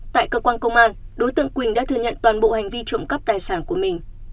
tại cơ quan công an đối tượng quỳnh đã thừa nhận toàn bộ hành vi trộm cắp tài sản của mình